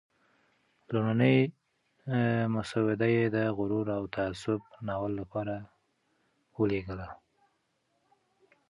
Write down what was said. لومړنی مسوده یې د "غرور او تعصب" ناول لپاره ولېږله.